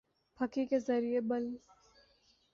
پھکی کے زریعے بل